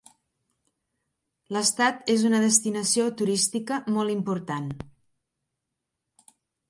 L'estat és una destinació turística molt important.